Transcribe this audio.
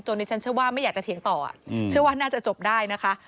ดิฉันเชื่อว่าไม่อยากจะเถียงต่อเชื่อว่าน่าจะจบได้นะคะ